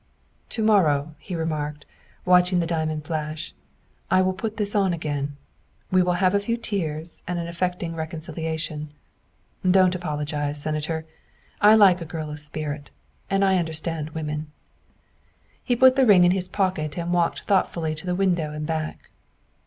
" To morrow," he remarked, watching the diamond flash, " I will put this on again. We will have a few tears and an affecting reconciliation. Don't apologize, Senator, I like a girl of spirit and I understand women. '' He put the ring in his pocket and walked thought fully to the window and back.